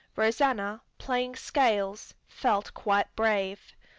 Rosanna, playing scales, felt quite brave.